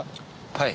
はい。